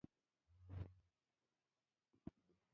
پیاله د شکر ادا کولو لاره ده.